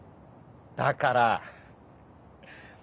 だから。